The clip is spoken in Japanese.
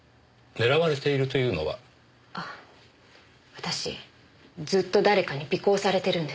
私ずっと誰かに尾行されてるんです。